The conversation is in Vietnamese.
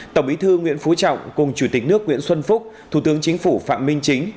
tổng bí thư nguyễn phú trọng cùng chủ tịch nước nguyễn xuân phúc thủ tướng chính phủ phạm minh chính